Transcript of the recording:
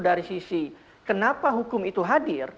dari sisi kenapa hukum itu hadir